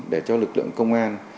để cho lực lượng công an